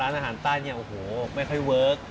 อาหารใต้เนี่ยโอ้โหไม่ค่อยเวิร์ค